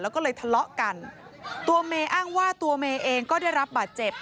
แล้วก็เลยทะเลาะกันตัวเมย์อ้างว่าตัวเมย์เองก็ได้รับบาดเจ็บ